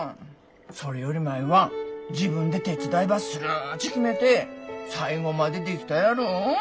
それより舞は自分で手伝いばするっち決めて最後までできたやろ。